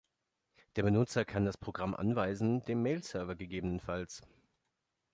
Der Benutzer kann das Programm anweisen, beim Mail-Server ggf.